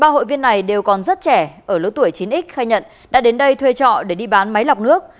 ba hội viên này đều còn rất trẻ ở lứa tuổi chín x khai nhận đã đến đây thuê trọ để đi bán máy lọc nước